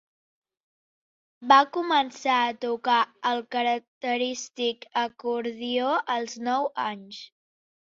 Va començar a tocar el característic acordió als nou anys.